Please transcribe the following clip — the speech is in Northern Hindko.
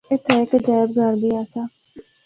اِتھا ہک ’عجائب گھر‘ بھی آسا۔